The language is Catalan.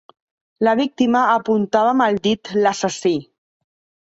La víctima apuntava amb el dit l'assassí.